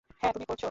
হ্যা, তুমি করছো।